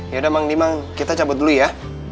yaudah mang nimang kita cabut dulu ya